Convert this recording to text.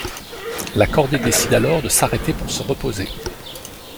La cordée décide alors de s'arrêter pour se reposer.